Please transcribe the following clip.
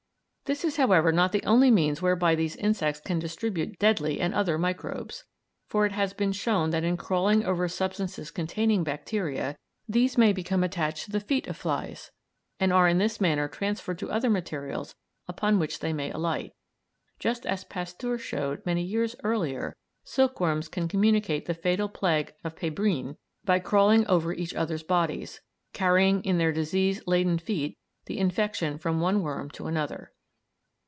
This is, however, not the only means whereby these insects can distribute deadly and other microbes, for it has been shown that in crawling over substances containing bacteria these may become attached to the feet of flies, and are in this manner transferred to other materials upon which they may alight, just as Pasteur showed many years earlier silkworms can communicate the fatal plague of pébrine by crawling over each other's bodies, carrying in their disease laden feet the infection from one worm to another.